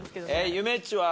ゆめっちは？